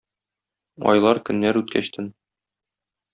Айлар-көннәр үткәчтен